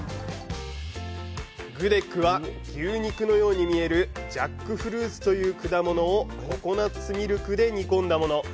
グデッグは、牛肉のように見えるジャックフルーツという果物をココナッツミルクで煮込んだもの。